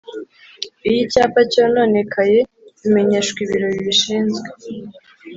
Iyo icyapa cyononekaye bimenyeshwa ibiro bibishinzwe